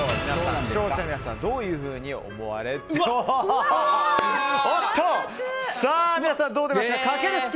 視聴者の皆さんはどういうふうに思われているか。